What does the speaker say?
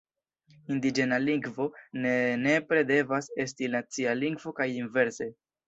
Indiĝena lingvo ne nepre devas esti nacia lingvo kaj inverse.